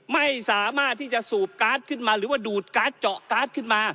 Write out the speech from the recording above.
ไม่สามารถที่จะสูบการ์ดขึ้นมาหรือว่าดูดการ์ดเจาะการ์ดขึ้นมา